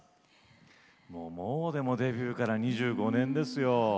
もうでもデビューから２５年ですよ。